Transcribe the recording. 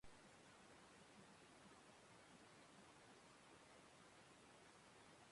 Forma biribilak dira kaligrafia honen ezaugarri nagusia.